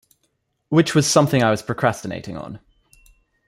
Which was something I was procrastinating on.